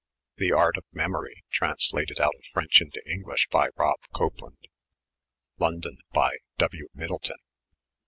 The Art of Memorye,' translated out of French into English by Rob. Coplande. London, by W. Myddylton.